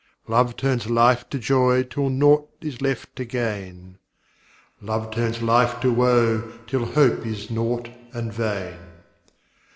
Love turns life to joy till nought is left to gain: "Love turns life to woe till hope is nought and vain."